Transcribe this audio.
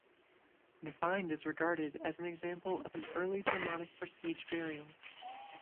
The find is regarded as an example of an early Germanic prestige burial.